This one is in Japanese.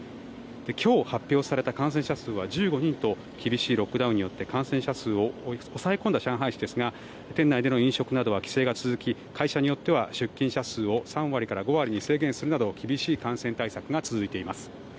今日発表された感染者数は１５人と厳しいロックダウンによって感染者数を抑え込んだ上海市ですが店内での飲食などは規制が続き会社によっては出勤者数を３割から５割に制限するなど厳しい感染対策が続いています。